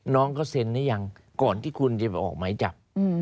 น้องเขาเซ็นหรือยังก่อนที่คุณจะออกหมายจับ